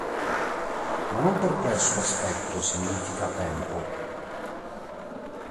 Ma non per questo aspetto significa tempo.